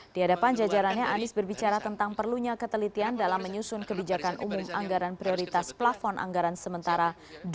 di hadapan jajarannya anies berbicara tentang perlunya ketelitian dalam menyusun kebijakan umum anggaran prioritas plafon anggaran sementara dua ribu delapan belas